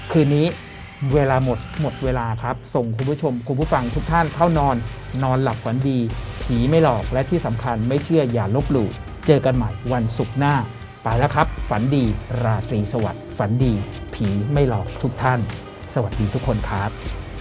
คืนนี้เวลาหมดหมดเวลาครับส่งคุณผู้ชมคุณผู้ฟังทุกท่านเข้านอนนอนหลับฝันดีผีไม่หลอกและที่สำคัญไม่เชื่ออย่าลบหลู่เจอกันใหม่วันศุกร์หน้าไปแล้วครับฝันดีราตรีสวัสดิ์ฝันดีผีไม่หลอกทุกท่านสวัสดีทุกคนครับ